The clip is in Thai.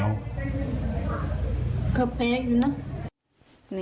ก็แปลกอยู่นะ